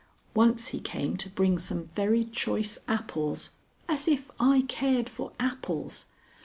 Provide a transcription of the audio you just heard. Once he came to bring some very choice apples as if I cared for apples!